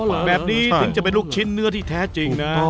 ออกมาเต็มไปแบบนี้จริงจะเป็นลูกชิ้นเนื้อที่แท้จริงนะ